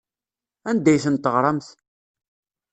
Anda ay ten-teɣramt?